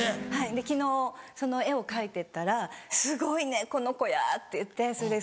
昨日その絵を描いてたら「すごいねこの小屋」って言って。